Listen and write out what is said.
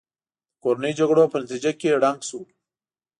د کورنیو جګړو په نتیجه کې ړنګ شو.